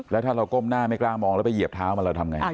แล้วถ้าเราก้มหน้าไม่กล้ามองแล้วไปเหยียบเท้ามันเราทำไง